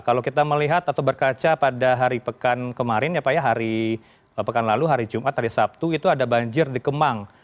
kalau kita melihat atau berkaca pada hari pekan kemarin ya pak ya hari pekan lalu hari jumat hari sabtu itu ada banjir di kemang